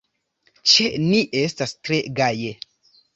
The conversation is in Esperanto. Ĉe ni estas tre gaje.